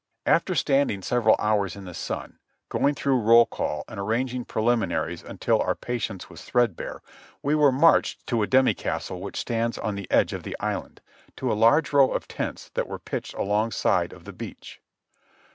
After standing several hours in the sun, going through roll call and arranging preliminaries until our patience was threadbare, we were marched by the demi castle which stands on the edge of the island, to a large row of tents that were pitched alongside of the beach.